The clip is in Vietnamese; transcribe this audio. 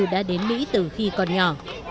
đã đến mỹ từ khi còn nhỏ